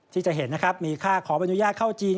ที่จะเห็นนะครับมีค่าขออนุญาตเข้าจีน